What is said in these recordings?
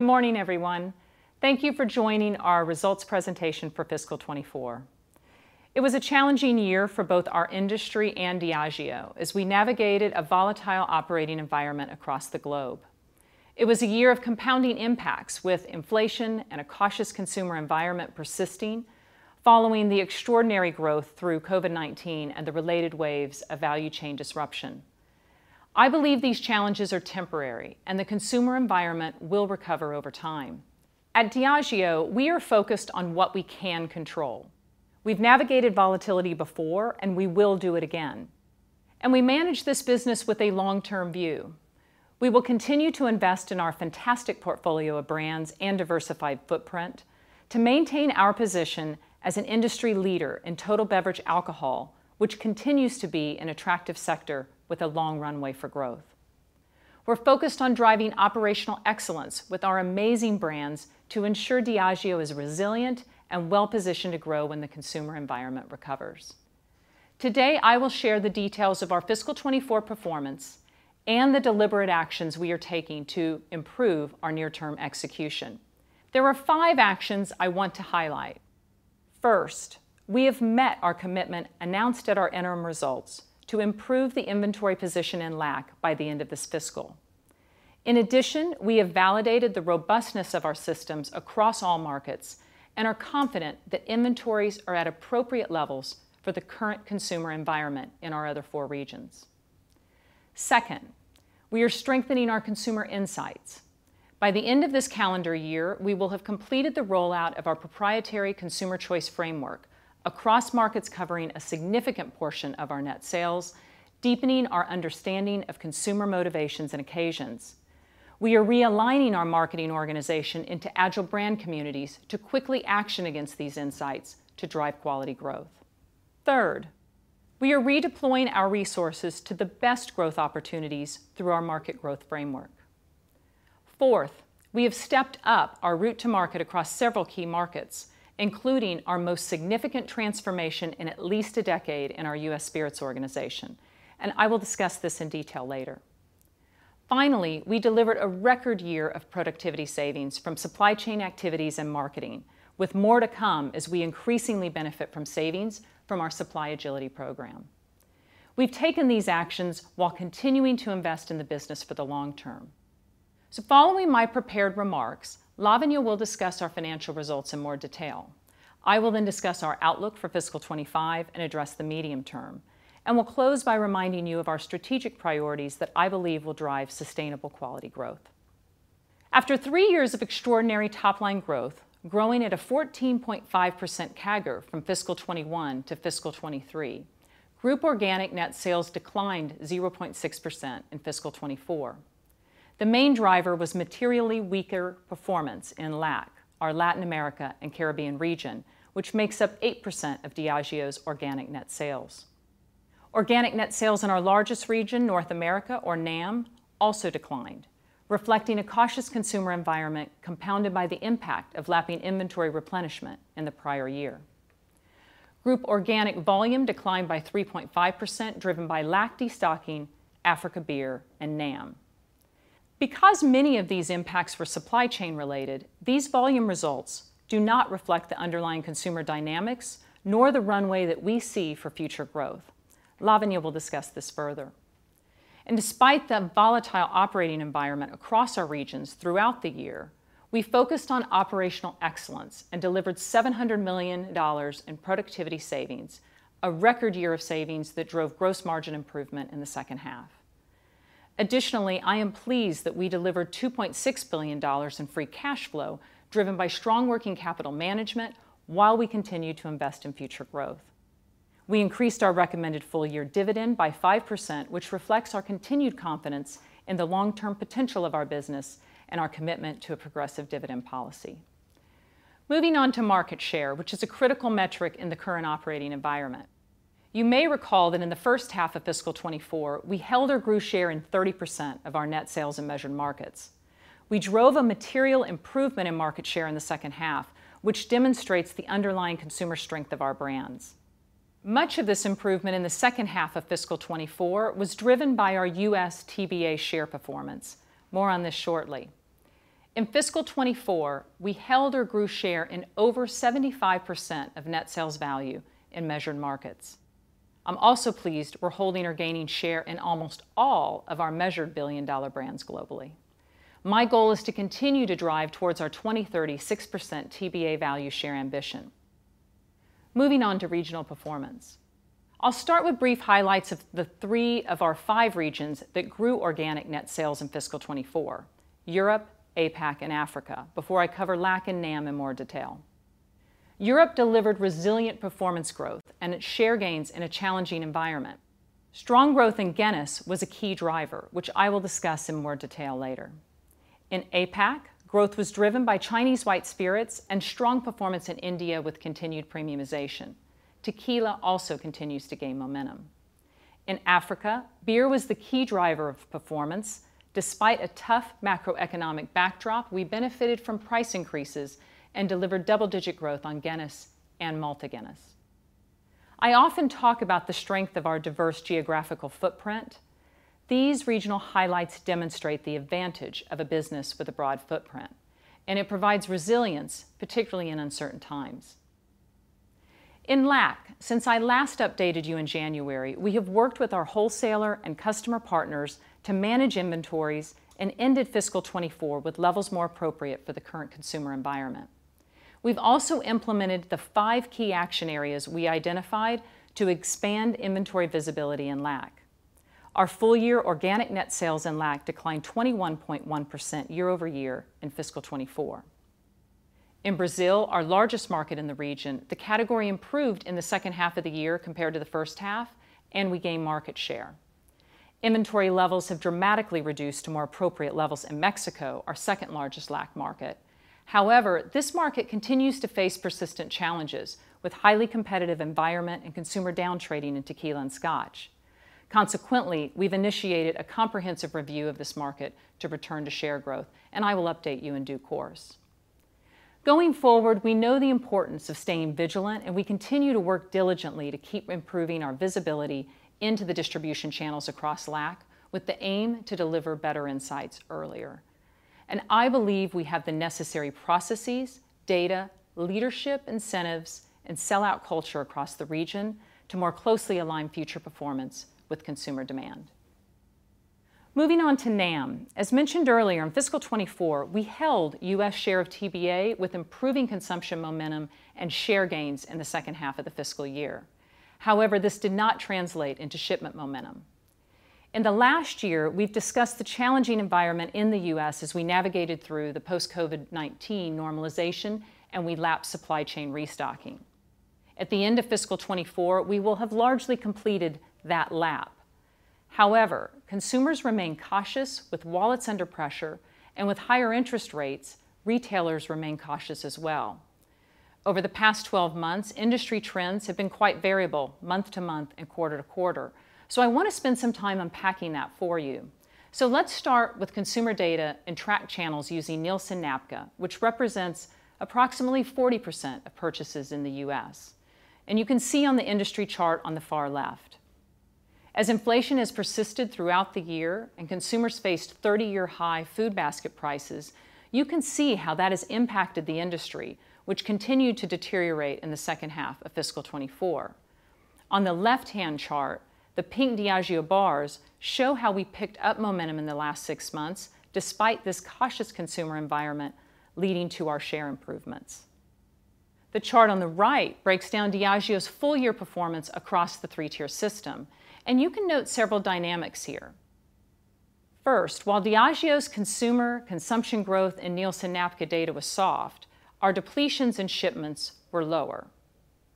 Good morning, everyone. Thank you for joining our results presentation for fiscal 2024. It was a challenging year for both our industry and Diageo, as we navigated a volatile operating environment across the globe. It was a year of compounding impacts, with inflation and a cautious consumer environment persisting following the extraordinary growth through COVID-19 and the related waves of value chain disruption. I believe these challenges are temporary, and the consumer environment will recover over time. At Diageo, we are focused on what we can control. We've navigated volatility before, and we will do it again, and we manage this business with a long-term view. We will continue to invest in our fantastic portfolio of brands and diversified footprint to maintain our position as an industry leader in total beverage alcohol, which continues to be an attractive sector with a long runway for growth. We're focused on driving operational excellence with our amazing brands to ensure Diageo is resilient and well-positioned to grow when the consumer environment recovers. Today, I will share the details of our fiscal 2024 performance and the deliberate actions we are taking to improve our near-term execution. There are five actions I want to highlight. First, we have met our commitment, announced at our interim results, to improve the inventory position in LAC by the end of this fiscal. In addition, we have validated the robustness of our systems across all markets and are confident that inventories are at appropriate levels for the current consumer environment in our other four regions. Second, we are strengthening our consumer insights. By the end of this calendar year, we will have completed the rollout of our proprietary Consumer Choice Framework across markets covering a significant portion of our net sales, deepening our understanding of consumer motivations and occasions. We are realigning our marketing organization into agile brand communities to quickly action against these insights to drive quality growth. Third, we are redeploying our resources to the best growth opportunities through our Market Growth Framework. Fourth, we have stepped up our route to market across several key markets, including our most significant transformation in at least a decade in our U.S. Spirits organization, and I will discuss this in detail later. Finally, we delivered a record year of productivity savings from supply chain activities and marketing, with more to come as we increasingly benefit from savings from our Supply Agility program. We've taken these actions while continuing to invest in the business for the long term. So following my prepared remarks, Lavanya will discuss our financial results in more detail. I will then discuss our outlook for fiscal 2025 and address the medium term, and we'll close by reminding you of our strategic priorities that I believe will drive sustainable quality growth. After three years of extraordinary top-line growth, growing at a 14.5% CAGR from fiscal 2021 to fiscal 2023, group organic net sales declined 0.6% in fiscal 2024. The main driver was materially weaker performance in LAC, our Latin America and Caribbean region, which makes up 8% of Diageo's organic net sales. Organic net sales in our largest region, North America or NAM, also declined, reflecting a cautious consumer environment, compounded by the impact of lapping inventory replenishment in the prior year. Group organic volume declined by 3.5%, driven by LAC destocking, Africa beer, and NAM. Because many of these impacts were supply chain related, these volume results do not reflect the underlying consumer dynamics nor the runway that we see for future growth. Lavanya will discuss this further. Despite the volatile operating environment across our regions throughout the year, we focused on operational excellence and delivered $700 million in productivity savings, a record year of savings that drove gross margin improvement in the second half. Additionally, I am pleased that we delivered $2.6 billion in free cash flow, driven by strong working capital management, while we continue to invest in future growth. We increased our recommended full-year dividend by 5%, which reflects our continued confidence in the long-term potential of our business and our commitment to a progressive dividend policy. Moving on to market share, which is a critical metric in the current operating environment. You may recall that in the first half of fiscal 2024, we held or grew share in 30% of our net sales in measured markets. We drove a material improvement in market share in the second half, which demonstrates the underlying consumer strength of our brands. Much of this improvement in the second half of fiscal 2024 was driven by our U.S. TBA share performance. More on this shortly. In fiscal 2024, we held or grew share in over 75% of net sales value in measured markets. I'm also pleased we're holding or gaining share in almost all of our measured billion-dollar brands globally. My goal is to continue to drive towards our 2030 6% TBA value share ambition. Moving on to regional performance. I'll start with brief highlights of the three of our five regions that grew organic net sales in fiscal 2024: Europe, APAC, and Africa, before I cover LAC and NAM in more detail. Europe delivered resilient performance growth and its share gains in a challenging environment. Strong growth in Guinness was a key driver, which I will discuss in more detail later. In APAC, growth was driven by Chinese white spirits and strong performance in India, with continued premiumization. Tequila also continues to gain momentum. In Africa, beer was the key driver of performance. Despite a tough macroeconomic backdrop, we benefited from price increases and delivered double-digit growth on Guinness and Malta Guinness. I often talk about the strength of our diverse geographical footprint. These regional highlights demonstrate the advantage of a business with a broad footprint, and it provides resilience, particularly in uncertain times. In LAC, since I last updated you in January, we have worked with our wholesaler and customer partners to manage inventories and ended fiscal 2024 with levels more appropriate for the current consumer environment. We've also implemented the five key action areas we identified to expand inventory visibility in LAC. Our full-year organic net sales in LAC declined 21.1% year-over-year in fiscal 2024. In Brazil, our largest market in the region, the category improved in the second half of the year compared to the first half, and we gained market share. Inventory levels have dramatically reduced to more appropriate levels in Mexico, our second-largest LAC market. However, this market continues to face persistent challenges, with highly competitive environment and consumer downtrading in tequila and Scotch. Consequently, we've initiated a comprehensive review of this market to return to share growth, and I will update you in due course. Going forward, we know the importance of staying vigilant, and we continue to work diligently to keep improving our visibility into the distribution channels across LAC, with the aim to deliver better insights earlier. And I believe we have the necessary processes, data, leadership, incentives, and sell-out culture across the region to more closely align future performance with consumer demand. Moving on to NAM. As mentioned earlier, in fiscal 2024, we held U.S. share of TBA with improving consumption momentum and share gains in the second half of the fiscal year. However, this did not translate into shipment momentum. In the last year, we've discussed the challenging environment in the U.S. as we navigated through the post-COVID-19 normalization, and we lapped supply chain restocking. At the end of fiscal 2024, we will have largely completed that lap. However, consumers remain cautious, with wallets under pressure, and with higher interest rates, retailers remain cautious as well. Over the past 12 months, industry trends have been quite variable month to month and quarter to quarter, so I want to spend some time unpacking that for you. So let's start with consumer data and track channels using Nielsen/NABCA, which represents approximately 40% of purchases in the U.S. You can see on the industry chart on the far left. As inflation has persisted throughout the year and consumers faced 30-year high food basket prices, you can see how that has impacted the industry, which continued to deteriorate in the second half of fiscal 2024. On the left-hand chart, the pink Diageo bars show how we picked up momentum in the last six months, despite this cautious consumer environment leading to our share improvements. The chart on the right breaks down Diageo's full-year performance across the three-tier system, and you can note several dynamics here. First, while Diageo's consumer consumption growth in Nielsen/NABCA data was soft, our depletions and shipments were lower.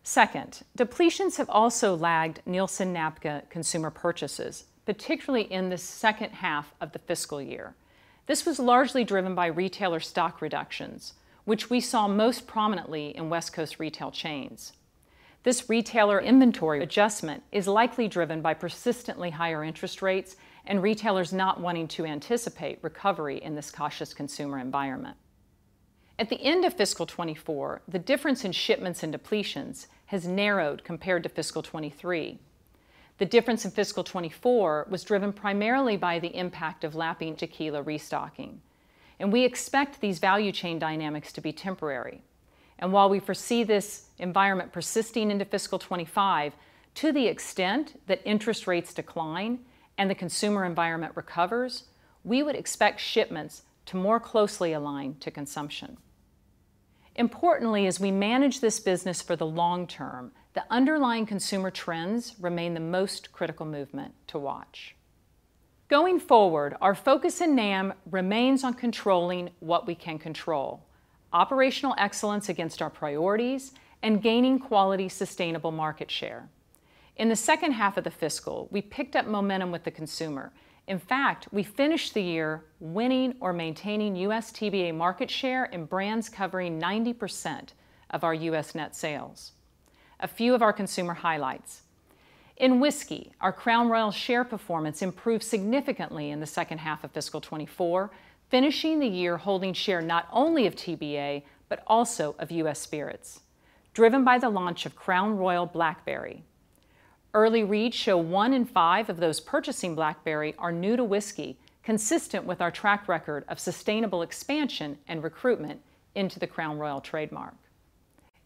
Second, depletions have also lagged Nielsen/NABCA consumer purchases, particularly in the second half of the fiscal year. This was largely driven by retailer stock reductions, which we saw most prominently in West Coast retail chains. This retailer inventory adjustment is likely driven by persistently higher interest rates and retailers not wanting to anticipate recovery in this cautious consumer environment. At the end of fiscal 2024, the difference in shipments and depletions has narrowed compared to fiscal 2023. The difference in fiscal 2024 was driven primarily by the impact of lapping tequila restocking, and we expect these value chain dynamics to be temporary. While we foresee this environment persisting into fiscal 2025, to the extent that interest rates decline and the consumer environment recovers, we would expect shipments to more closely align to consumption. Importantly, as we manage this business for the long term, the underlying consumer trends remain the most critical movement to watch. Going forward, our focus in NAM remains on controlling what we can control: operational excellence against our priorities and gaining quality, sustainable market share. In the second half of the fiscal, we picked up momentum with the consumer. In fact, we finished the year winning or maintaining U.S. TBA market share in brands covering 90% of our U.S. net sales. A few of our consumer highlights: In whiskey, our Crown Royal share performance improved significantly in the second half of fiscal 2024, finishing the year holding share not only of TBA but also of U.S. Spirits, driven by the launch of Crown Royal Blackberry. Early reads show one in five of those purchasing Blackberry are new to whiskey, consistent with our track record of sustainable expansion and recruitment into the Crown Royal trademark.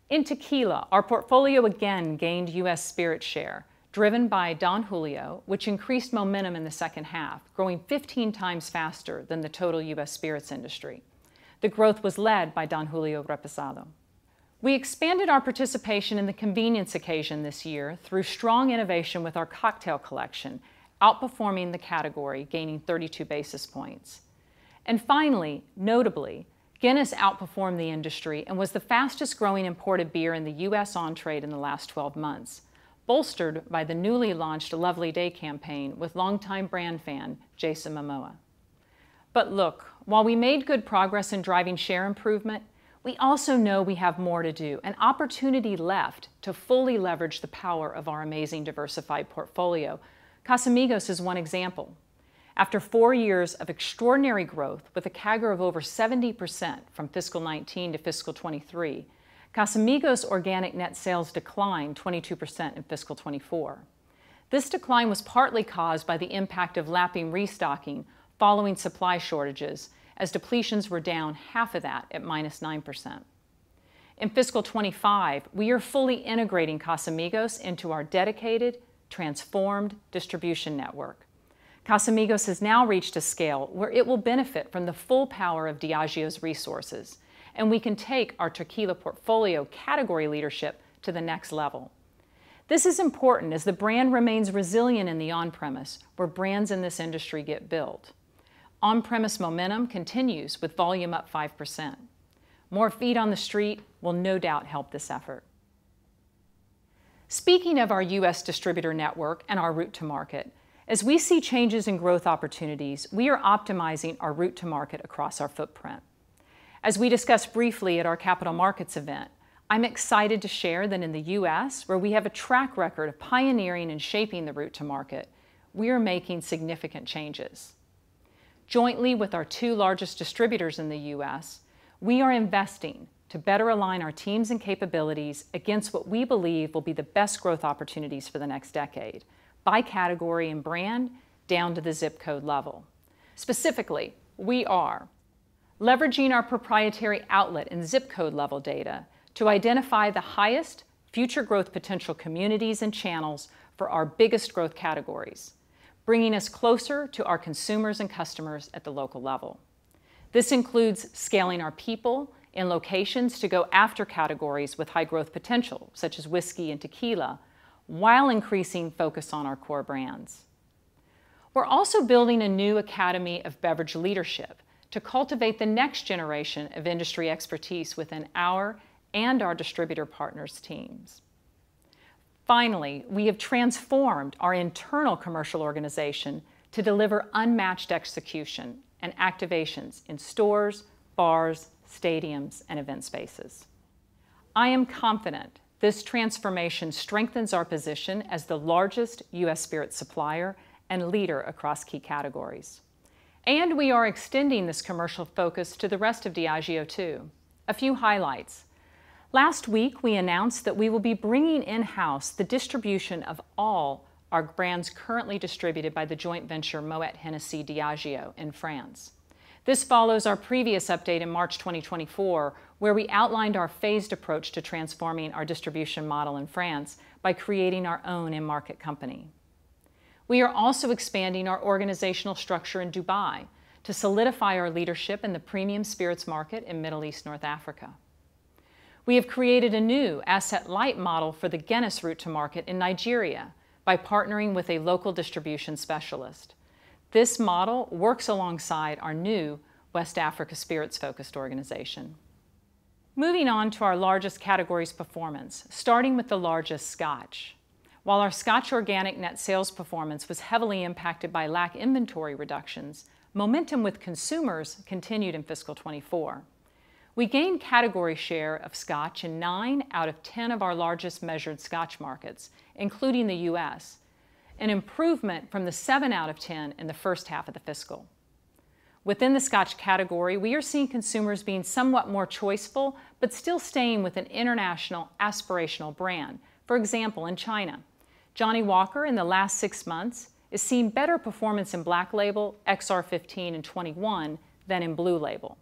In tequila, our portfolio again gained U.S. spirits share, driven by Don Julio, which increased momentum in the second half, growing 15 times faster than the total U.S. spirits industry. The growth was led by Don Julio Reposado. We expanded our participation in the convenience occasion this year through strong innovation with our Cocktail Collection, outperforming the category, gaining 32 basis points. Finally, notably, Guinness outperformed the industry and was the fastest-growing imported beer in the U.S. on-trade in the last 12 months, bolstered by the newly launched A Lovely Day campaign with longtime brand fan Jason Momoa. But look, while we made good progress in driving share improvement, we also know we have more to do and opportunity left to fully leverage the power of our amazing diversified portfolio. Casamigos is one example.... After four years of extraordinary growth, with a CAGR of over 70% from fiscal 2019 to fiscal 2023, Casamigos' organic net sales declined 22% in fiscal 2024. This decline was partly caused by the impact of lapping restocking following supply shortages, as depletions were down half of that at -9%. In fiscal 2025, we are fully integrating Casamigos into our dedicated, transformed distribution network. Casamigos has now reached a scale where it will benefit from the full power of Diageo's resources, and we can take our tequila portfolio category leadership to the next level. This is important as the brand remains resilient in the on-premise, where brands in this industry get built. On-premise momentum continues, with volume up 5%. More feet on the street will no doubt help this effort. Speaking of our U.S. distributor network and our route to market, as we see changes in growth opportunities, we are optimizing our route to market across our footprint. As we discussed briefly at our capital markets event, I'm excited to share that in the U.S., where we have a track record of pioneering and shaping the route to market, we are making significant changes. Jointly, with our two largest distributors in the U.S., we are investing to better align our teams and capabilities against what we believe will be the best growth opportunities for the next decade, by category and brand, down to the zip code level. Specifically, we are leveraging our proprietary outlet and zip code-level data to identify the highest future growth potential communities and channels for our biggest growth categories, bringing us closer to our consumers and customers at the local level. This includes scaling our people and locations to go after categories with high growth potential, such as whiskey and tequila, while increasing focus on our core brands. We're also building a new academy of beverage leadership to cultivate the next generation of industry expertise within our and our distributor partners' teams. Finally, we have transformed our internal commercial organization to deliver unmatched execution and activations in stores, bars, stadiums, and event spaces. I am confident this transformation strengthens our position as the largest U.S. spirits supplier and leader across key categories. We are extending this commercial focus to the rest of Diageo, too. A few highlights: last week, we announced that we will be bringing in-house the distribution of all our brands currently distributed by the joint venture Moët Hennessy Diageo in France. This follows our previous update in March 2024, where we outlined our phased approach to transforming our distribution model in France by creating our own in-market company. We are also expanding our organizational structure in Dubai to solidify our leadership in the premium spirits market in Middle East, North Africa. We have created a new asset-light model for the Guinness route to market in Nigeria by partnering with a local distribution specialist. This model works alongside our new West Africa spirits-focused organization. Moving on to our largest categories performance, starting with the largest, Scotch. While our Scotch organic net sales performance was heavily impacted by LAC inventory reductions, momentum with consumers continued in fiscal 2024. We gained category share of Scotch in nine out of 10 of our largest measured Scotch markets, including the U.S., an improvement from the seven out of 10 in the first half of the fiscal. Within the Scotch category, we are seeing consumers being somewhat more choiceful but still staying with an international, aspirational brand. For example, in China, Johnnie Walker, in the last six months, is seeing better performance in Black Label, XR, 15 and 21 than in Blue Label.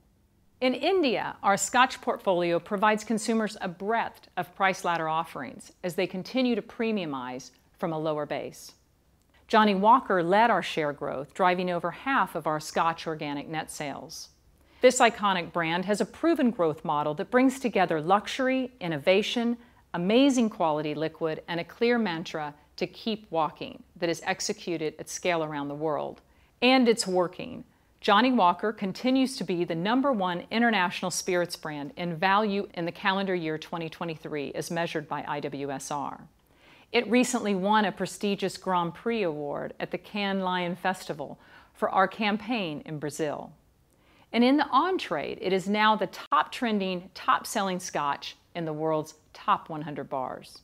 In India, our Scotch portfolio provides consumers a breadth of price ladder offerings as they continue to premiumize from a lower base. Johnnie Walker led our share growth, driving over half of our Scotch organic net sales. This iconic brand has a proven growth model that brings together luxury, innovation, amazing quality liquid, and a clear mantra to keep walking that is executed at scale around the world, and it's working. Johnnie Walker continues to be the number one international spirits brand in value in the calendar year 2023, as measured by IWSR. It recently won a prestigious Grand Prix award at the Cannes Lions Festival for our campaign in Brazil. In the on-trade, it is now the top-trending, top-selling Scotch in the world's top 100 bars.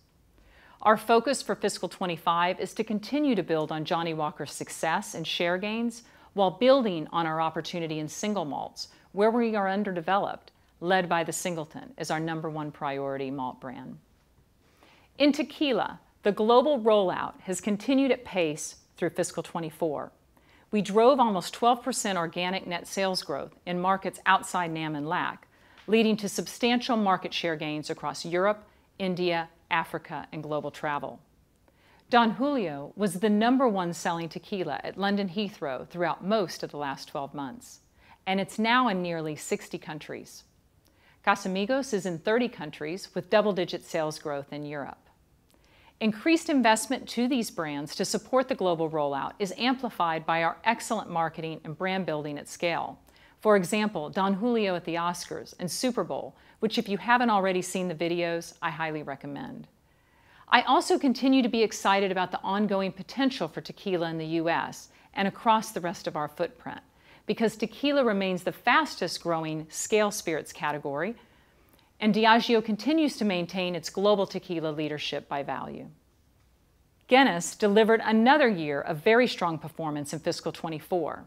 Our focus for fiscal 2025 is to continue to build on Johnnie Walker's success and share gains while building on our opportunity in single malts, where we are underdeveloped, led by The Singleton as our number one priority malt brand. In tequila, the global rollout has continued at pace through fiscal 2024. We drove almost 12% organic net sales growth in markets outside NAM and LAC, leading to substantial market share gains across Europe, India, Africa, and global travel. Don Julio was the number one selling tequila at London Heathrow throughout most of the last 12 months, and it's now in nearly 60 countries. Casamigos is in 30 countries, with double-digit sales growth in Europe. Increased investment to these brands to support the global rollout is amplified by our excellent marketing and brand building at scale. For example, Don Julio at the Oscars and Super Bowl, which if you haven't already seen the videos, I highly recommend. I also continue to be excited about the ongoing potential for tequila in the U.S. and across the rest of our footprint, because tequila remains the fastest-growing scale spirits category... and Diageo continues to maintain its global tequila leadership by value. Guinness delivered another year of very strong performance in fiscal 2024,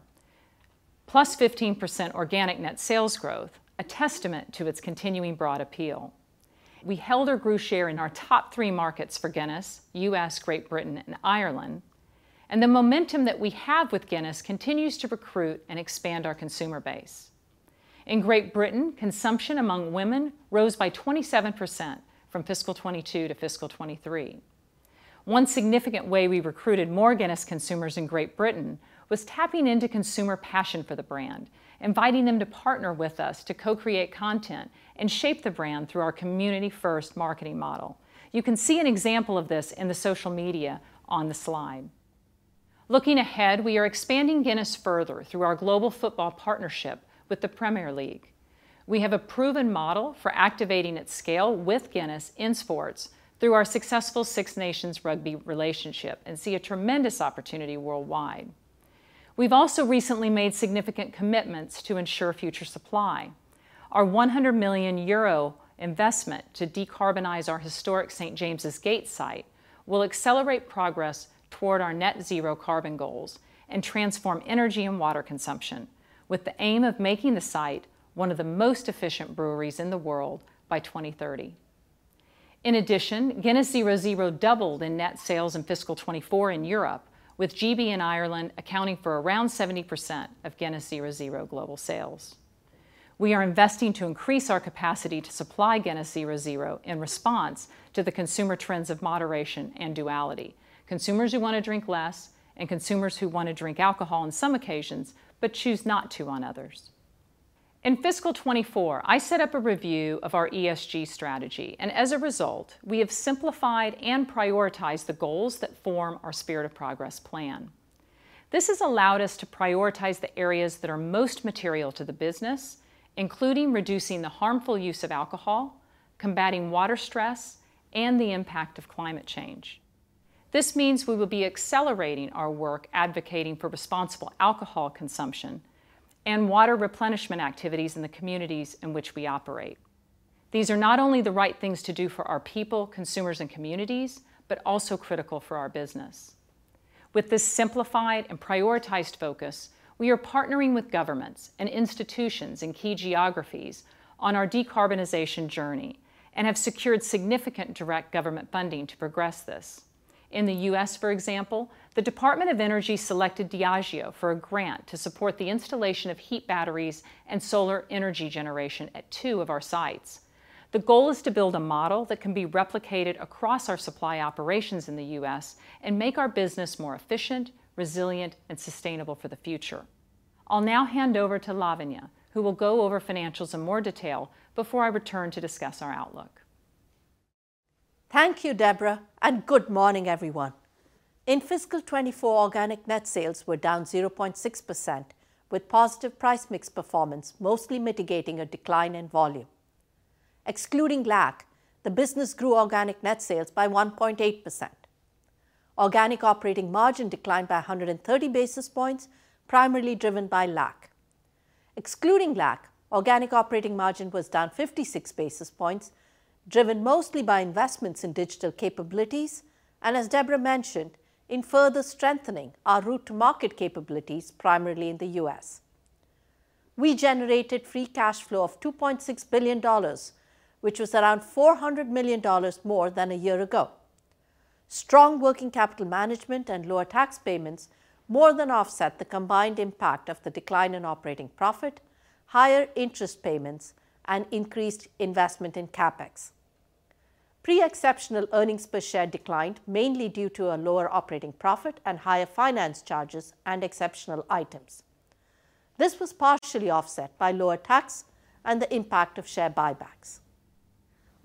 +15% organic net sales growth, a testament to its continuing broad appeal. We held or grew share in our top three markets for Guinness, U.S., Great Britain, and Ireland, and the momentum that we have with Guinness continues to recruit and expand our consumer base. In Great Britain, consumption among women rose by 27% from fiscal 2022 to fiscal 2023. One significant way we recruited more Guinness consumers in Great Britain was tapping into consumer passion for the brand, inviting them to partner with us to co-create content and shape the brand through our community-first marketing model. You can see an example of this in the social media on the slide. Looking ahead, we are expanding Guinness further through our global football partnership with the Premier League. We have a proven model for activating at scale with Guinness in sports through our successful Six Nations rugby relationship and see a tremendous opportunity worldwide. We've also recently made significant commitments to ensure future supply. Our 100 million euro investment to decarbonize our historic St. James's Gate site will accelerate progress toward our net zero carbon goals and transform energy and water consumption, with the aim of making the site one of the most efficient breweries in the world by 2030. In addition, Guinness 0.0 doubled in net sales in fiscal 2024 in Europe, with GB and Ireland accounting for around 70% of Guinness 0.0 global sales. We are investing to increase our capacity to supply Guinness 0.0 in response to the consumer trends of moderation and duality, consumers who want to drink less and consumers who want to drink alcohol on some occasions but choose not to on others. In fiscal 2024, I set up a review of our ESG strategy, and as a result, we have simplified and prioritized the goals that form our Spirit of Progress plan. This has allowed us to prioritize the areas that are most material to the business, including reducing the harmful use of alcohol, combating water stress, and the impact of climate change. This means we will be accelerating our work advocating for responsible alcohol consumption and water replenishment activities in the communities in which we operate. These are not only the right things to do for our people, consumers, and communities, but also critical for our business. With this simplified and prioritized focus, we are partnering with governments and institutions in key geographies on our decarbonization journey and have secured significant direct government funding to progress this. In the U.S., for example, the Department of Energy selected Diageo for a grant to support the installation of heat batteries and solar energy generation at two of our sites. The goal is to build a model that can be replicated across our supply operations in the U.S. and make our business more efficient, resilient, and sustainable for the future. I'll now hand over to Lavanya, who will go over financials in more detail before I return to discuss our outlook. Thank you, Debra, and good morning, everyone. In fiscal 2024, organic net sales were down 0.6%, with positive price mix performance mostly mitigating a decline in volume. Excluding LAC, the business grew organic net sales by 1.8%. Organic operating margin declined by 130 basis points, primarily driven by LAC. Excluding LAC, organic operating margin was down 56 basis points, driven mostly by investments in digital capabilities and, as Debra mentioned, in further strengthening our route-to-market capabilities, primarily in the U.S. We generated free cash flow of $2.6 billion, which was around $400 million more than a year ago. Strong working capital management and lower tax payments more than offset the combined impact of the decline in operating profit, higher interest payments, and increased investment in CapEx. Pre-exceptional earnings per share declined mainly due to a lower operating profit and higher finance charges and exceptional items. This was partially offset by lower tax and the impact of share buybacks.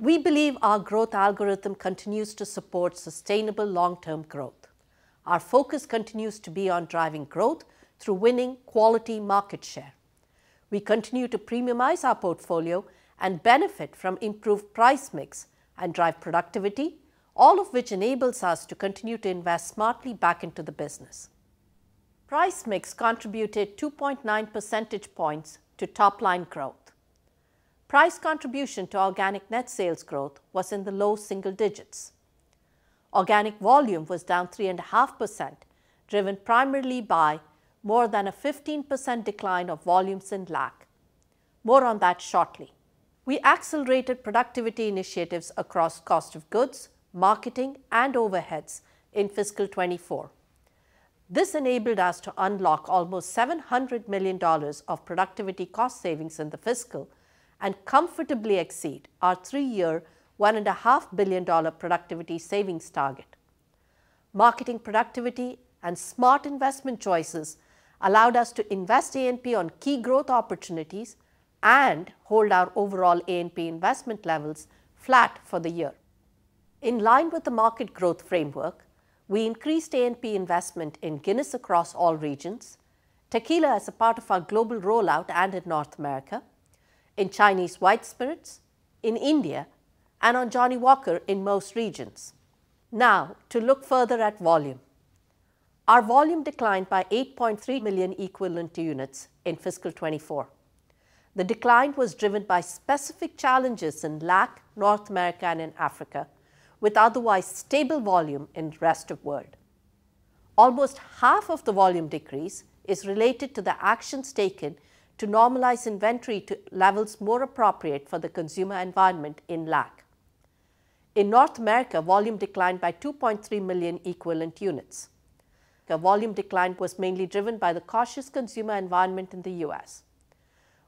We believe our growth algorithm continues to support sustainable long-term growth. Our focus continues to be on driving growth through winning quality market share. We continue to premiumize our portfolio and benefit from improved price mix and drive productivity, all of which enables us to continue to invest smartly back into the business. Price mix contributed 2.9 percentage points to top-line growth. Price contribution to organic net sales growth was in the low single digits. Organic volume was down 3.5%, driven primarily by more than a 15% decline of volumes in LAC. More on that shortly. We accelerated productivity initiatives across cost of goods, marketing, and overheads in fiscal 2024. This enabled us to unlock almost $700 million of productivity cost savings in the fiscal and comfortably exceed our 3-year, $1.5 billion productivity savings target. Marketing productivity and smart investment choices allowed us to invest A&P on key growth opportunities and hold our overall A&P investment levels flat for the year. In line with the Market Growth Framework, we increased A&P investment in Guinness across all regions, Tequila as a part of our global rollout and in North America, in Chinese white spirits, in India, and on Johnnie Walker in most regions. Now, to look further at volume. Our volume declined by 8.3 million equivalent units in fiscal 2024. The decline was driven by specific challenges in LAC, North America, and in Africa, with otherwise stable volume in the rest of world. Almost half of the volume decrease is related to the actions taken to normalize inventory to levels more appropriate for the consumer environment in LAC. In North America, volume declined by 2.3 million equivalent units. The volume decline was mainly driven by the cautious consumer environment in the U.S.,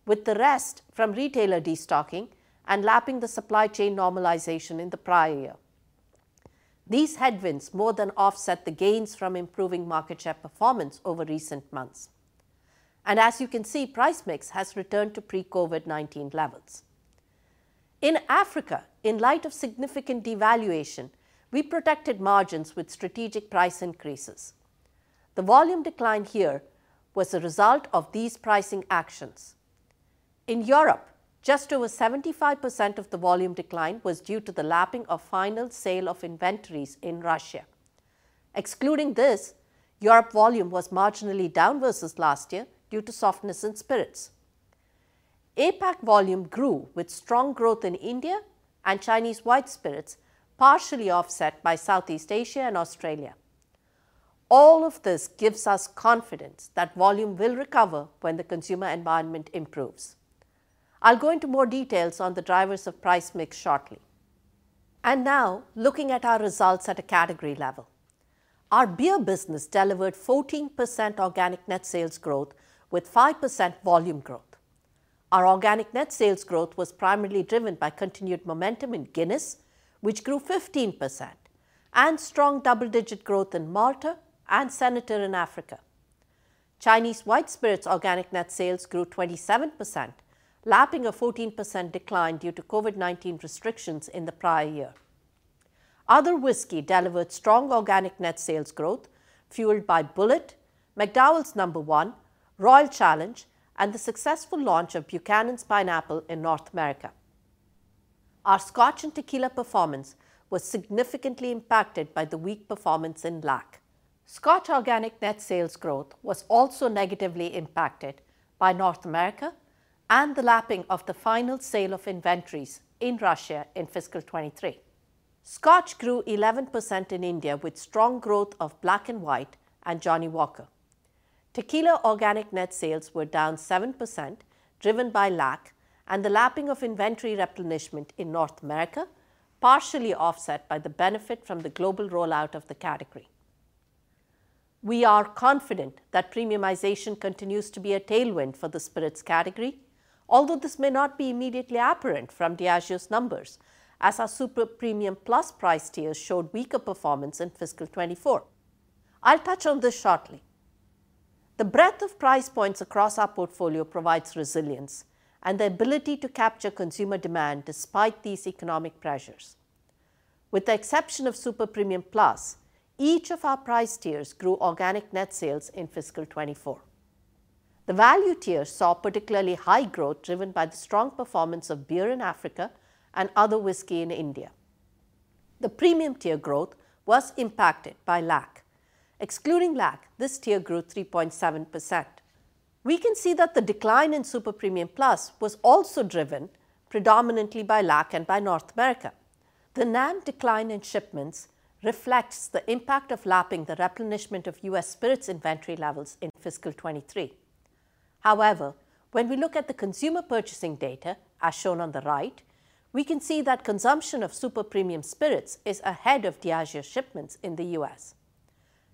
with the rest from retailer destocking and lapping the supply chain normalization in the prior year. These headwinds more than offset the gains from improving market share performance over recent months, and as you can see, price mix has returned to pre-COVID-19 levels. In Africa, in light of significant devaluation, we protected margins with strategic price increases. The volume decline here was a result of these pricing actions. In Europe, just over 75% of the volume decline was due to the lapping of final sale of inventories in Russia. Excluding this, Europe volume was marginally down versus last year due to softness in spirits. APAC volume grew with strong growth in India and Chinese white spirits, partially offset by Southeast Asia and Australia. All of this gives us confidence that volume will recover when the consumer environment improves. I'll go into more details on the drivers of price mix shortly. Now, looking at our results at a category level. Our beer business delivered 14% organic net sales growth with 5% volume growth. Our organic net sales growth was primarily driven by continued momentum in Guinness, which grew 15%, and strong double-digit growth in Malta and Senator in Africa. Chinese white spirits organic net sales grew 27%, lapping a 14% decline due to COVID-19 restrictions in the prior year. Other whiskey delivered strong organic net sales growth, fueled by Bulleit, McDowell's No.1, Royal Challenge, and the successful launch of Buchanan's Pineapple in North America. Our Scotch and tequila performance was significantly impacted by the weak performance in LAC. Scotch organic net sales growth was also negatively impacted by North America and the lapping of the final sale of inventories in Russia in fiscal 2023. Scotch grew 11% in India, with strong growth of Black & White and Johnnie Walker. Tequila organic net sales were down 7%, driven by LAC and the lapping of inventory replenishment in North America, partially offset by the benefit from the global rollout of the category. We are confident that premiumization continues to be a tailwind for the spirits category, although this may not be immediately apparent from Diageo's numbers, as our super premium plus price tiers showed weaker performance in fiscal 2024. I'll touch on this shortly. The breadth of price points across our portfolio provides resilience and the ability to capture consumer demand despite these economic pressures. With the exception of super premium plus, each of our price tiers grew organic net sales in fiscal 2024. The value tier saw particularly high growth, driven by the strong performance of beer in Africa and other whiskey in India. The premium tier growth was impacted by LAC. Excluding LAC, this tier grew 3.7%. We can see that the decline in super premium plus was also driven predominantly by LAC and by North America. The NAM decline in shipments reflects the impact of lapping the replenishment of U.S. spirits inventory levels in fiscal 2023. However, when we look at the consumer purchasing data, as shown on the right, we can see that consumption of super premium spirits is ahead of Diageo shipments in the U.S..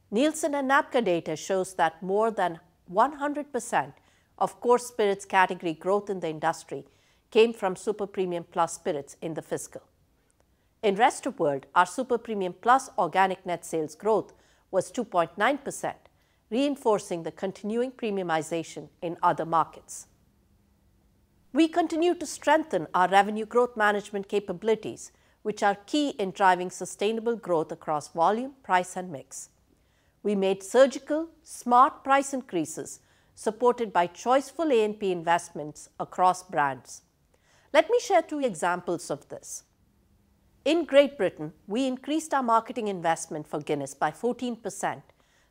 Nielsen and NABCA data shows that more than 100% of core spirits category growth in the industry came from super premium plus spirits in the fiscal. In rest of world, our super premium plus organic net sales growth was 2.9%, reinforcing the continuing premiumization in other markets. We continue to strengthen our revenue growth management capabilities, which are key in driving sustainable growth across volume, price, and mix. We made surgical, smart price increases, supported by choiceful A&P investments across brands. Let me share two examples of this. In Great Britain, we increased our marketing investment for Guinness by 14%,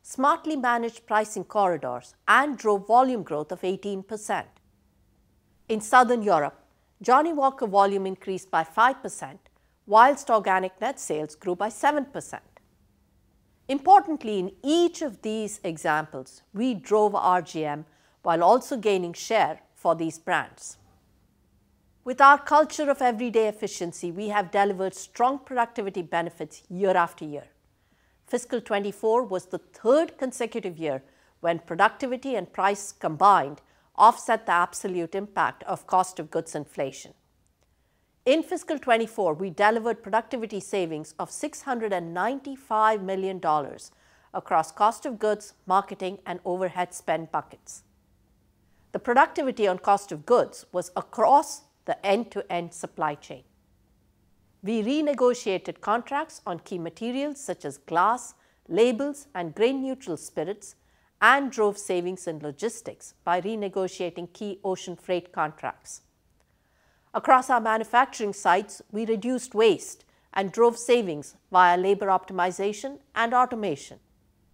smartly managed pricing corridors, and drove volume growth of 18%. In Southern Europe, Johnnie Walker volume increased by 5%, while organic net sales grew by 7%. Importantly, in each of these examples, we drove RGM while also gaining share for these brands. With our culture of everyday efficiency, we have delivered strong productivity benefits year after year. Fiscal 2024 was the third consecutive year when productivity and price combined offset the absolute impact of cost of goods inflation. In fiscal 2024, we delivered productivity savings of $695 million across cost of goods, marketing, and overhead spend buckets. The productivity on cost of goods was across the end-to-end supply chain. We renegotiated contracts on key materials such as glass, labels, and grain-neutral spirits, and drove savings in logistics by renegotiating key ocean freight contracts. Across our manufacturing sites, we reduced waste and drove savings via labor optimization and automation.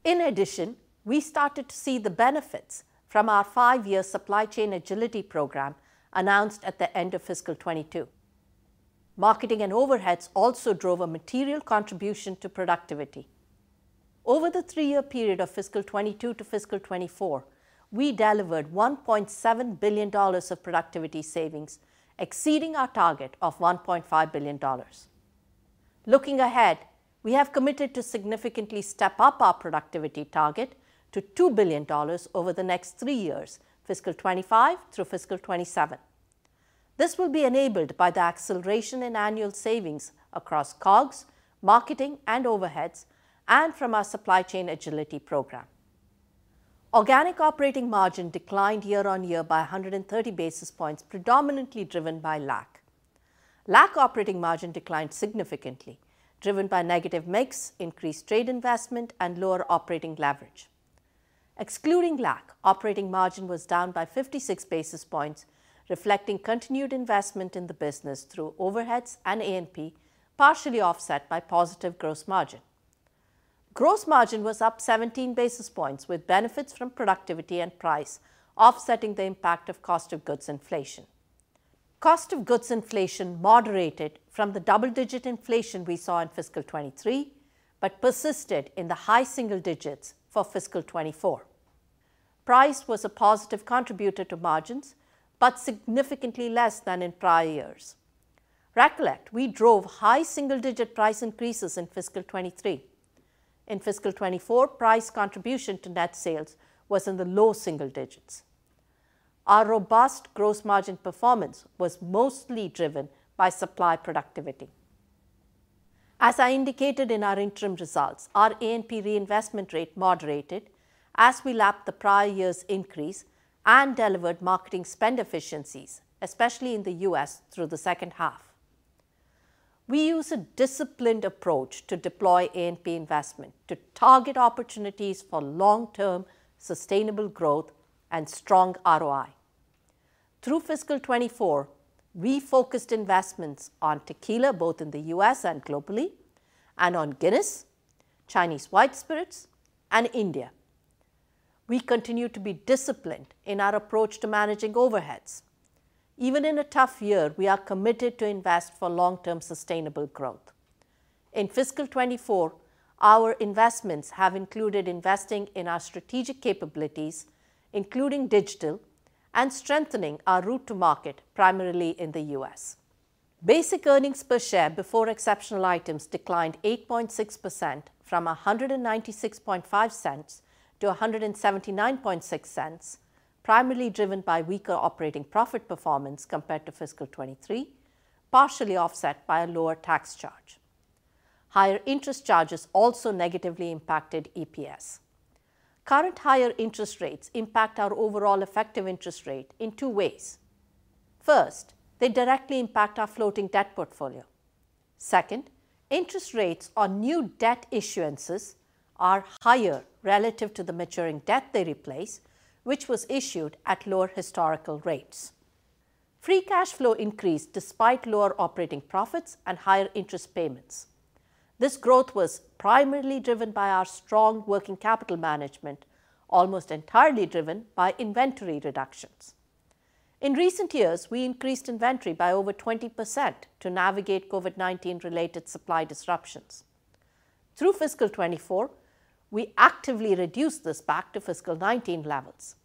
In addition, we started to see the benefits from our five-year Supply Chain Agility program announced at the end of fiscal 2022. Marketing and overheads also drove a material contribution to productivity. Over the three-year period of fiscal 2022 to fiscal 2024, we delivered $1.7 billion of productivity savings, exceeding our target of $1.5 billion. Looking ahead, we have committed to significantly step up our productivity target to $2 billion over the next three years, fiscal 2025 through fiscal 2027. This will be enabled by the acceleration in annual savings across COGS, marketing, and overheads, and from our Supply Chain Agility program. Organic operating margin declined year-on-year by 130 basis points, predominantly driven by LAC. LAC operating margin declined significantly, driven by negative mix, increased trade investment, and lower operating leverage. Excluding LAC, operating margin was down by 56 basis points, reflecting continued investment in the business through overheads and A&P, partially offset by positive gross margin. Gross margin was up 17 basis points, with benefits from productivity and price offsetting the impact of cost of goods inflation. Cost of goods inflation moderated from the double-digit inflation we saw in fiscal 2023, but persisted in the high single digits for fiscal 2024. Price was a positive contributor to margins, but significantly less than in prior years. Recall, we drove high single-digit price increases in fiscal 2023. In fiscal 2024, price contribution to net sales was in the low single digits. Our robust gross margin performance was mostly driven by supply productivity. As I indicated in our interim results, our A&P reinvestment rate moderated as we lapped the prior year's increase and delivered marketing spend efficiencies, especially in the U.S., through the second half. We use a disciplined approach to deploy A&P investment to target opportunities for long-term sustainable growth and strong ROI. Through fiscal 2024, we focused investments on tequila, both in the U.S. and globally, and on Guinness, Chinese white spirits, and India. We continue to be disciplined in our approach to managing overheads. Even in a tough year, we are committed to invest for long-term sustainable growth. In fiscal 2024, our investments have included investing in our strategic capabilities, including digital, and strengthening our route to market, primarily in the U.S. Basic earnings per share before exceptional items declined 8.6% from $1.965 to $1.796, primarily driven by weaker operating profit performance compared to fiscal 2023, partially offset by a lower tax charge. Higher interest charges also negatively impacted EPS. Current higher interest rates impact our overall effective interest rate in two ways. First, they directly impact our floating debt portfolio. Second, interest rates on new debt issuances are higher relative to the maturing debt they replace, which was issued at lower historical rates. Free cash flow increased despite lower operating profits and higher interest payments. This growth was primarily driven by our strong working capital management, almost entirely driven by inventory reductions. In recent years, we increased inventory by over 20% to navigate COVID-19 related supply disruptions. Through fiscal 2024, we actively reduced this back to fiscal 2019 levels.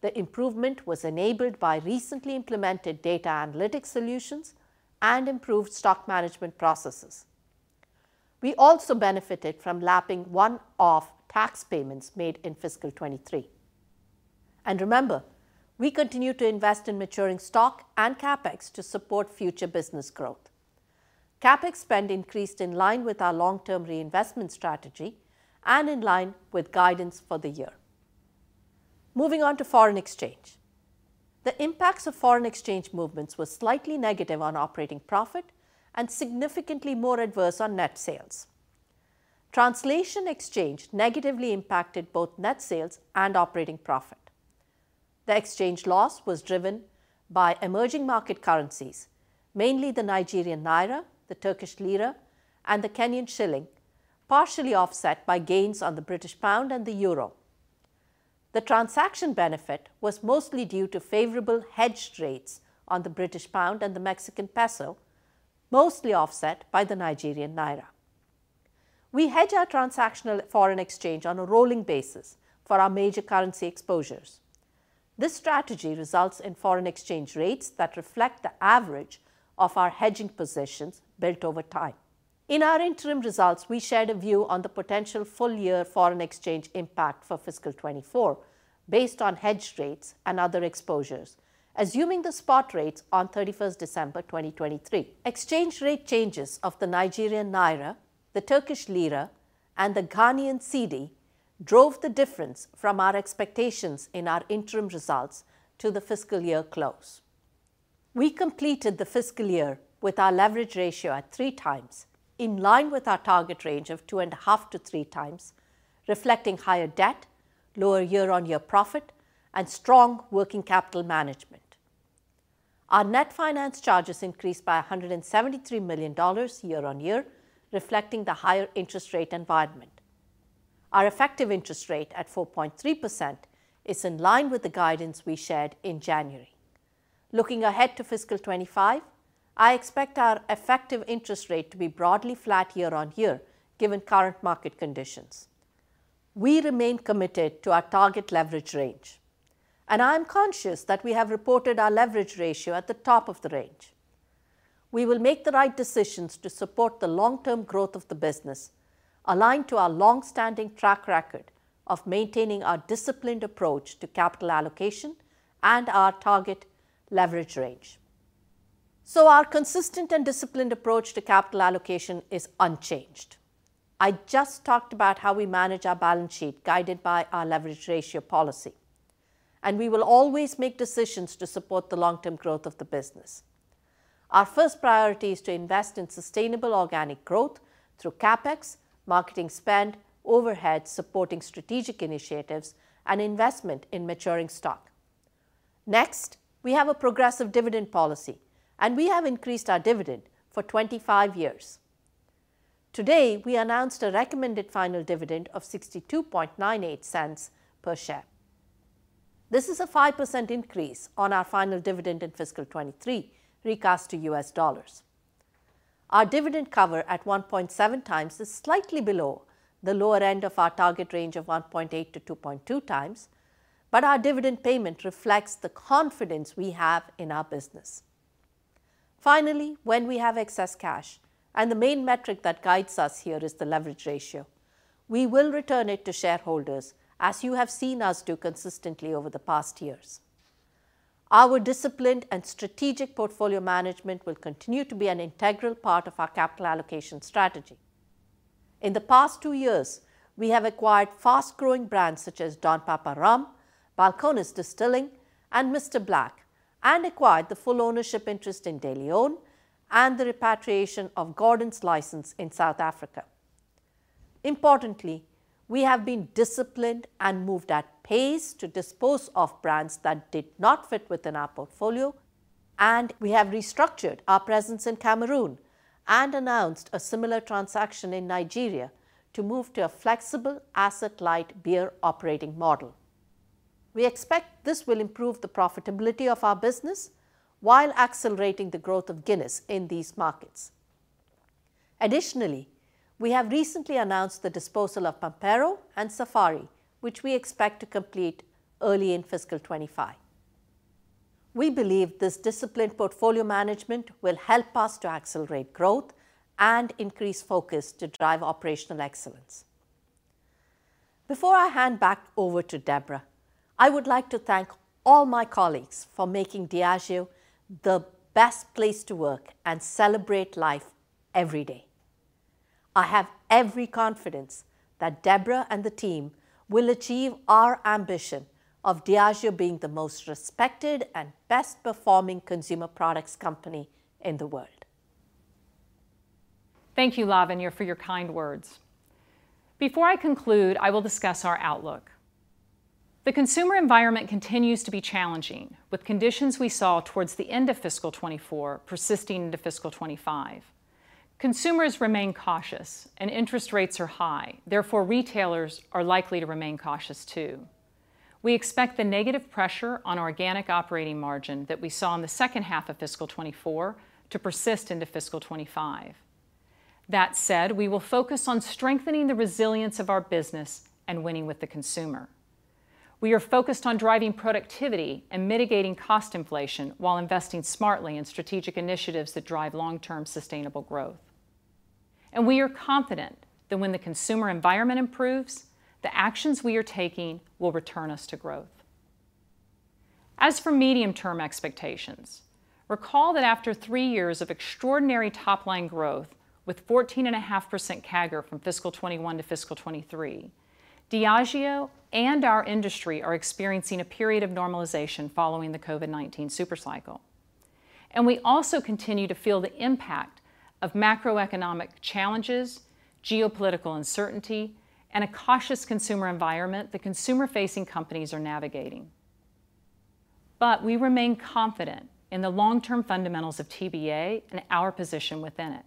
The improvement was enabled by recently implemented data analytics solutions and improved stock management processes. We also benefited from lapping one-off tax payments made in fiscal 2023. And remember, we continue to invest in maturing stock and CapEx to support future business growth. CapEx spend increased in line with our long-term reinvestment strategy and in line with guidance for the year. Moving on to foreign exchange. The impacts of foreign exchange movements were slightly negative on operating profit and significantly more adverse on net sales. Translation exchange negatively impacted both net sales and operating profit. The exchange loss was driven by emerging market currencies, mainly the Nigerian naira, the Turkish lira, and the Kenyan shilling, partially offset by gains on the British pound and the euro. The transaction benefit was mostly due to favorable hedged rates on the British pound and the Mexican peso, mostly offset by the Nigerian naira. We hedge our transactional foreign exchange on a rolling basis for our major currency exposures. This strategy results in foreign exchange rates that reflect the average of our hedging positions built over time. In our interim results, we shared a view on the potential full-year foreign exchange impact for fiscal 2024 based on hedge rates and other exposures, assuming the spot rates on 31 December 2023. Exchange rate changes of the Nigerian naira, the Turkish lira, and the Ghanaian cedi drove the difference from our expectations in our interim results to the fiscal year close. We completed the fiscal year with our leverage ratio at three times, in line with our target range of 2.5-3 times, reflecting higher debt-... lower year-on-year profit, and strong working capital management. Our net finance charges increased by $173 million year on year, reflecting the higher interest rate environment. Our effective interest rate at 4.3% is in line with the guidance we shared in January. Looking ahead to fiscal 2025, I expect our effective interest rate to be broadly flat year on year, given current market conditions. We remain committed to our target leverage range, and I am conscious that we have reported our leverage ratio at the top of the range. We will make the right decisions to support the long-term growth of the business, aligned to our long-standing track record of maintaining our disciplined approach to capital allocation and our target leverage range. Our consistent and disciplined approach to capital allocation is unchanged. I just talked about how we manage our balance sheet, guided by our leverage ratio policy, and we will always make decisions to support the long-term growth of the business. Our first priority is to invest in sustainable organic growth through CapEx, marketing spend, overheads, supporting strategic initiatives, and investment in maturing stock. Next, we have a progressive dividend policy, and we have increased our dividend for 25 years. Today, we announced a recommended final dividend of $0.6298 per share. This is a 5% increase on our final dividend in fiscal 2023, recast to U.S. dollars. Our dividend cover at 1.7 times is slightly below the lower end of our target range of 1.8-2.2 times, but our dividend payment reflects the confidence we have in our business. Finally, when we have excess cash, and the main metric that guides us here is the leverage ratio, we will return it to shareholders, as you have seen us do consistently over the past years. Our disciplined and strategic portfolio management will continue to be an integral part of our capital allocation strategy. In the past two years, we have acquired fast-growing brands such as Don Papa Rum, Balcones Distilling, and Mr Black, and acquired the full ownership interest in DeLeón and the repatriation of Gordon's license in South Africa. Importantly, we have been disciplined and moved at pace to dispose of brands that did not fit within our portfolio, and we have restructured our presence in Cameroon and announced a similar transaction in Nigeria to move to a flexible, asset-light beer operating model. We expect this will improve the profitability of our business while accelerating the growth of Guinness in these markets. Additionally, we have recently announced the disposal of Pampero and Safari, which we expect to complete early in fiscal 2025. We believe this disciplined portfolio management will help us to accelerate growth and increase focus to drive operational excellence. Before I hand back over to Debra, I would like to thank all my colleagues for making Diageo the best place to work and celebrate life every day. I have every confidence that Debra and the team will achieve our ambition of Diageo being the most respected and best performing consumer products company in the world. Thank you, Lavanya, for your kind words. Before I conclude, I will discuss our outlook. The consumer environment continues to be challenging, with conditions we saw towards the end of fiscal 2024 persisting into fiscal 2025. Consumers remain cautious and interest rates are high. Therefore, retailers are likely to remain cautious, too. We expect the negative pressure on organic operating margin that we saw in the second half of fiscal 2024 to persist into fiscal 2025. That said, we will focus on strengthening the resilience of our business and winning with the consumer. We are focused on driving productivity and mitigating cost inflation while investing smartly in strategic initiatives that drive long-term sustainable growth. We are confident that when the consumer environment improves, the actions we are taking will return us to growth. As for medium-term expectations, recall that after three years of extraordinary top-line growth with 14.5% CAGR from fiscal 2021 to fiscal 2023, Diageo and our industry are experiencing a period of normalization following the COVID-19 super cycle. We also continue to feel the impact of macroeconomic challenges, geopolitical uncertainty, and a cautious consumer environment that consumer-facing companies are navigating. We remain confident in the long-term fundamentals of TBA and our position within it.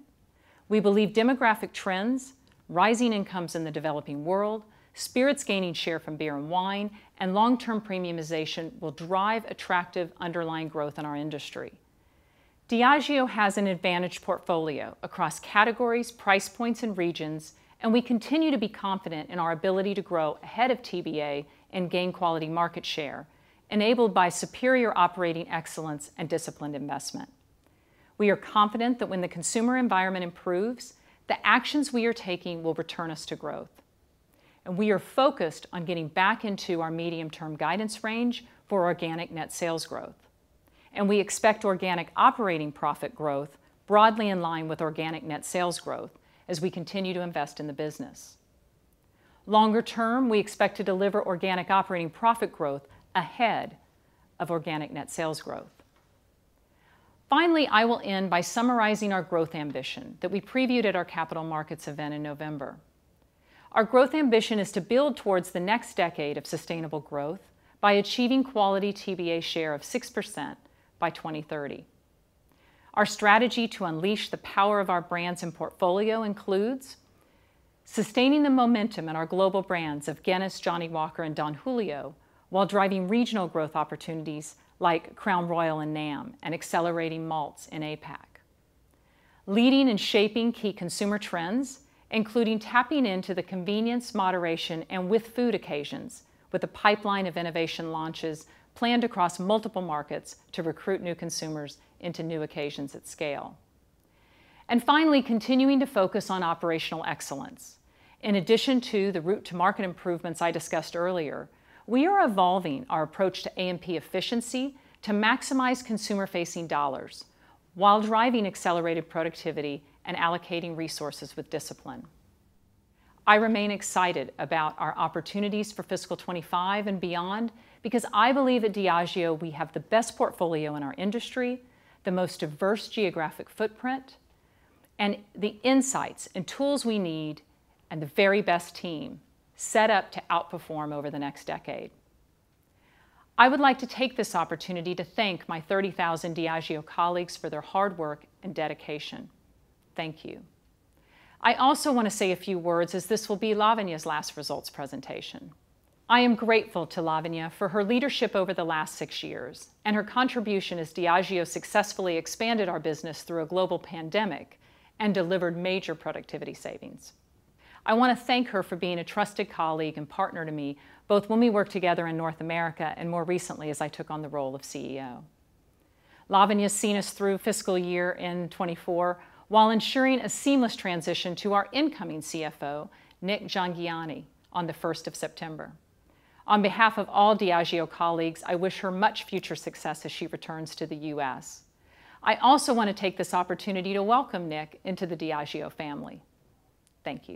We believe demographic trends, rising incomes in the developing world, spirits gaining share from beer and wine, and long-term premiumization will drive attractive underlying growth in our industry. Diageo has an advantaged portfolio across categories, price points, and regions, and we continue to be confident in our ability to grow ahead of TBA and gain quality market share, enabled by superior operating excellence and disciplined investment. We are confident that when the consumer environment improves, the actions we are taking will return us to growth, and we are focused on getting back into our medium-term guidance range for organic net sales growth. We expect organic operating profit growth broadly in line with organic net sales growth as we continue to invest in the business. Longer term, we expect to deliver organic operating profit growth ahead of organic net sales growth.... Finally, I will end by summarizing our growth ambition that we previewed at our capital markets event in November. Our growth ambition is to build towards the next decade of sustainable growth by achieving quality TBA share of 6% by 2030. Our strategy to unleash the power of our brands and portfolio includes sustaining the momentum in our global brands of Guinness, Johnnie Walker, and Don Julio, while driving regional growth opportunities like Crown Royal in NAM and accelerating malts in APAC. Leading and shaping key consumer trends, including tapping into the convenience, moderation, and with food occasions, with a pipeline of innovation launches planned across multiple markets to recruit new consumers into new occasions at scale. Finally, continuing to focus on operational excellence. In addition to the route to market improvements I discussed earlier, we are evolving our approach to A&P efficiency to maximize consumer-facing dollars while driving accelerated productivity and allocating resources with discipline. I remain excited about our opportunities for fiscal 25 and beyond because I believe at Diageo, we have the best portfolio in our industry, the most diverse geographic footprint, and the insights and tools we need, and the very best team set up to outperform over the next decade. I would like to take this opportunity to thank my 30,000 Diageo colleagues for their hard work and dedication. Thank you. I also want to say a few words, as this will be Lavanya's last results presentation. I am grateful to Lavanya for her leadership over the last six years and her contribution as Diageo successfully expanded our business through a global pandemic and delivered major productivity savings. I want to thank her for being a trusted colleague and partner to me, both when we worked together in North America and more recently, as I took on the role of CEO. Lavanya has seen us through fiscal year end 2024, while ensuring a seamless transition to our incoming CFO, Nik Jhangiani, on the first of September. On behalf of all Diageo colleagues, I wish her much future success as she returns to the U.S. I also want to take this opportunity to welcome Nik into the Diageo family. Thank you!